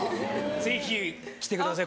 ぜひ来てください